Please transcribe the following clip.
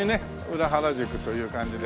裏原宿という感じで。